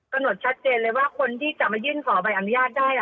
หนวดชัดเจนเลยว่าคนที่จะมายื่นขอใบอนุญาตได้